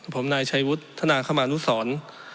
ผมนายชัยวุฒนาคมานุสร